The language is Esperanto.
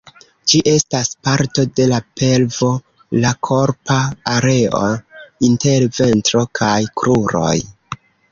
Ĝi estas parto de la pelvo, la korpa areo inter ventro kaj kruroj.